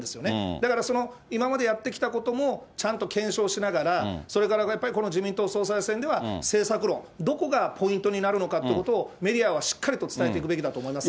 だから、今までやってきたこともちゃんと検証しながら、それからやっぱりこの自民党総裁選では、政策論、どこがポイントになるのかってことを、メディアはしっかりと伝えていくべきだと思いますね。